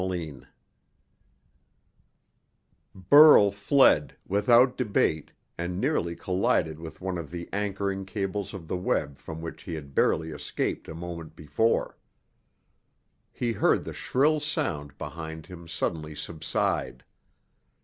Burl fled, without debate, and nearly collided with one of the anchoring cables of the web from which he had barely escaped a moment before. He heard the shrill sound behind him suddenly subside.